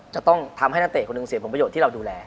จะต้องทำให้นักเตะคนหนึ่งเสียผลประโยชน์ที่เราดูแล